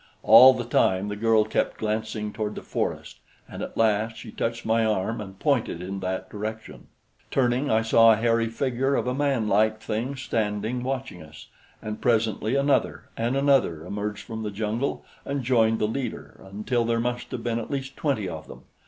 All the time the girl kept glancing toward the forest, and at last she touched my arm and pointed in that direction. Turning, I saw a hairy figure of a manlike thing standing watching us, and presently another and another emerged from the jungle and joined the leader until there must have been at least twenty of them.